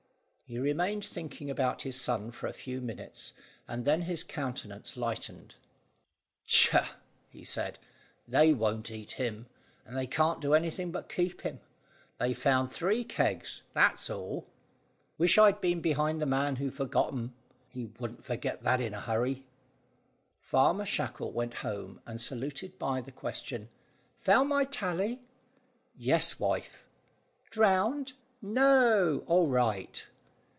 He remained thinking about his son for a few minutes and then his countenance lightened. "Tchah!" he said; "they won't eat him, and they can't do anything but keep him. They've found three kegs that's all. Wish I'd been behind the man who forgot 'em! He wouldn't forget that in a hurry." Farmer Shackle went home, and was saluted by the question "Found my Tally?" "Yes, wife." "Drowned?" "No; all right."